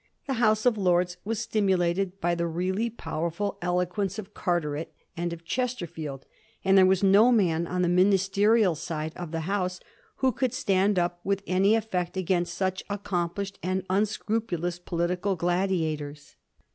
The House of Lords was stimulated by the really powerful eloquence of Carteret and of Ches terfield, and there was no man on the ministerial side of the House who could stand up with any effect against such accomplished and unscrupulous political gladiators.